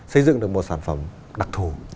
xây dựng được một sản phẩm đặc thù